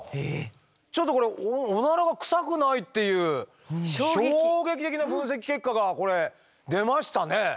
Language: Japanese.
ちょっとこれオナラはクサくないっていう衝撃的な分析結果がこれ出ましたね。